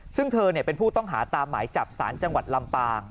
ซึ่งเธอเป็นผู้ต้องหาตามหมายจับสารจังหวัดลำปาง